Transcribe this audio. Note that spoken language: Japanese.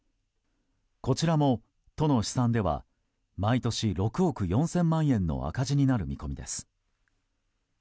こちらも都の試算では毎年６億４０００万円の赤字になる見込みです。